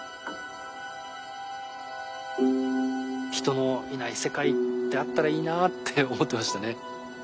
人のいない世界ってあったらいいなって思ってましたね。